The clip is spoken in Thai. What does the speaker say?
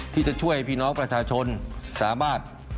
ที่จะช่วยพี่น้องประชาชนสามารถ